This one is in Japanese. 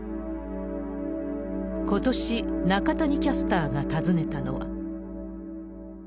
ことし、中谷キャスターが訪ねたのは。